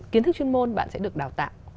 kiến thức chuyên môn bạn sẽ được đào tạo